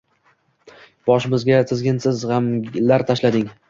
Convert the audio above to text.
Boshimga tizginsiz g‘amlar tashlading –